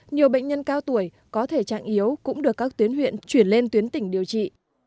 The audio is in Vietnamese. nhiều bệnh nhân cao tuổi có thể trạng yếu cũng được các tuyến huyện chuyển lên tuyến tỉnh điều trị